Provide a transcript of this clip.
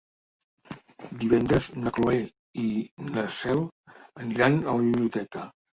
Divendres na Cloè i na Cel aniran a la biblioteca.